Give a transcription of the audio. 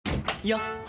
よっ！